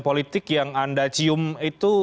politik yang anda cium itu